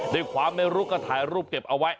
ได้ความรู้ก็ถ่ายรูปเก็บเอาไว้